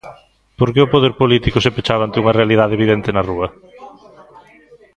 Por que o poder político se pechaba ante unha realidade evidente na rúa?